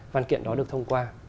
văn kiện đó được thông qua